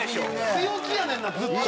強気やねんなずっと。